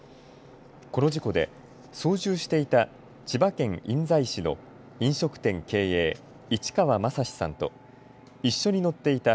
この事故で操縦していた千葉県印西市の飲食店経営、市川正史さんと一緒に乗っていた